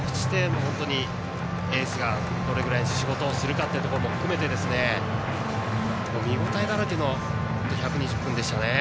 そしてエースがどれぐらい仕事をするかも含めて見応えだらけの１２０分でしたね。